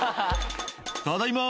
「ただいま」